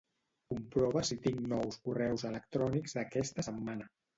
Comprova si tinc nous correus electrònics d'aquesta setmana.